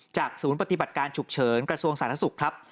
จากศูนย์ปฏิบัติการฉุกเฉินกระทรวงศาสตร์ทัศุกร์ครับ